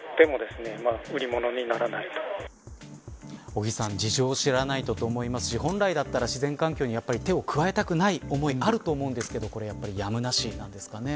尾木さん事情を知らないと思いますし本来だったら自然環境に手を加えたくない思いもあると思いますが、これはやっぱりやむなしなんですかね。